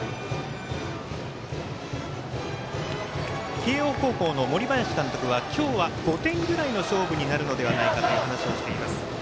慶応高校の森林監督は今日は５点ぐらいの勝負になるのではないかという話をしています。